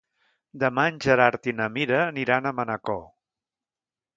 Demà en Gerard i na Mira aniran a Manacor.